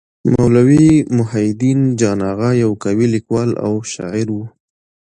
مولوي محی الدين جان اغا يو قوي لیکوال او شاعر وو.